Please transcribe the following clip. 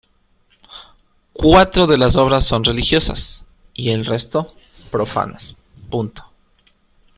Cuatro de las obras son religiosas y el resto profanas.